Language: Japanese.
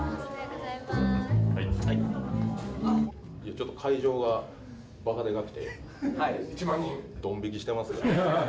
ちょっと会場がばかでかくてドン引きしてます。